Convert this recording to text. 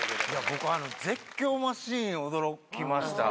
僕絶叫マシン驚きました。